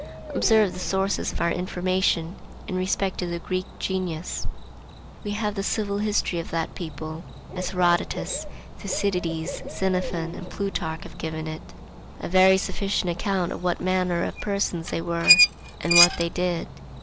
Observe the sources of our information in respect to the Greek genius. We have the civil history of that people, as Herodotus, Thucydides, Xenophon, and Plutarch have given it; a very sufficient account of what manner of persons they were and what they did.